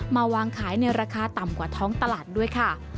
วางขายในราคาต่ำกว่าท้องตลาดด้วยค่ะ